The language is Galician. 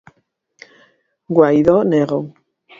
Guaidó négao.